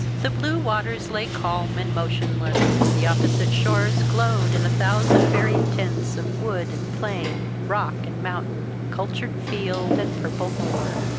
The blue waters lay calm and motionless. The opposite shores glowed in a thousand varied tints of wood and plain, rock and mountain, cultured field and purple moor.